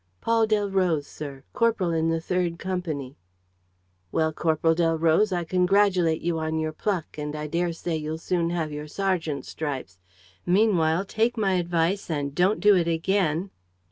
"Paul Delroze, sir, corporal in the third company." "Well, Corporal Delroze, I congratulate you on your pluck and I dare say you'll soon have your sergeant's stripes. Meanwhile, take my advice and don't do it again.